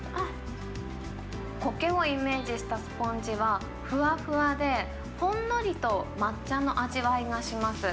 こけをイメージしたスポンジはふわふわで、ほんのりと抹茶の味わいがします。